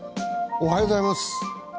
おはようございます。